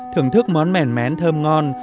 thưởng thức món mèn mén thơm ngon